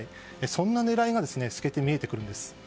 そんな狙いが透けて見えてくるんです。